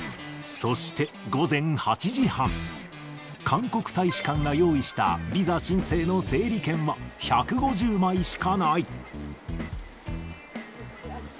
韓国大使館が用意したビザ申請の整理券は、１５０枚しかない。